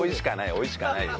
おいしかないよ